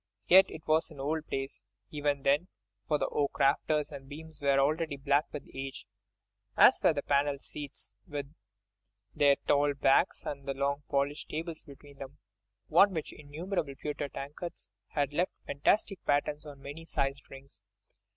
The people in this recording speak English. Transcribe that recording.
Yet it was an old place, even then, for the oak rafters and beams were already black with age—as were the panelled seats, with their tall backs, and the long polished tables between, on which innumerable pewter tankards had left fantastic patterns of many sized rings.